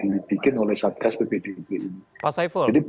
iye peng navigasi yang penting